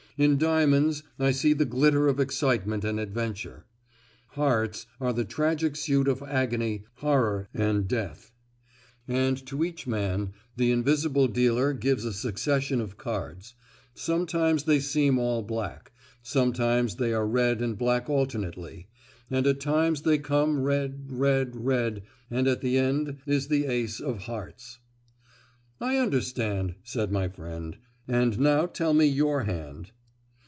In diamonds I see the glitter of excitement and adventure. Hearts are a tragic suit of agony, horror, and death. And to each man the invisible dealer gives a succession of cards; sometimes they seem all black; sometimes they are red and black alternately; and at times they come red, red, red; and at the end is the ace of hearts." "I understand," said my friend. "And now tell me your hand."